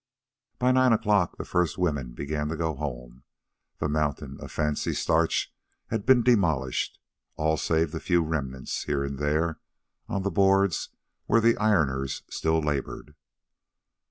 By nine o'clock the first women began to go home. The mountain of fancy starch had been demolished all save the few remnants, here and there, on the boards, where the ironers still labored.